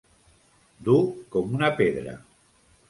Dur com una pedra.